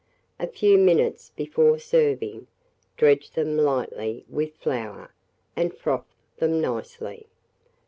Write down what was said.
A few minutes before serving, dredge them lightly with flour, and froth them nicely.